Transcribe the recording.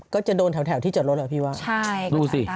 ก็จะโดนแถวที่จอดรถเหรอพี่ว่าใช่ก็จะตายรู้สิ